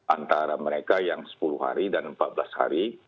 antara mereka yang sepuluh hari dan empat belas hari